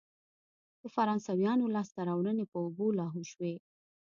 د فرانسویانو لاسته راوړنې په اوبو لاهو شوې.